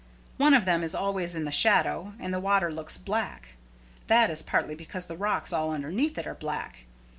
One of them is always in the shadow, and the water looks black. That is partly because the rocks all underneath it are black.